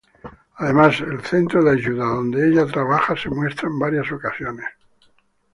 Además, el Centro de ayuda donde Ella trabaja se muestra en varias ocasiones.